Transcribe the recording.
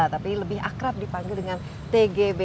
tapi lebih akrab dipanggil dengan tgb